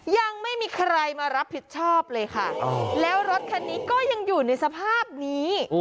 ยังไม่มีใครมารับผิดชอบเลยค่ะแล้วรถคันนี้ก็ยังอยู่ในสภาพนี้